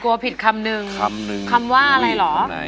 กลัวผิดคำนึงคำว่าอะไรหรอ